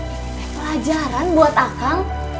ini pelajaran buat akang